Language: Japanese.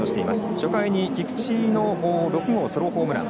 初回に菊池の６号ソロホームラン。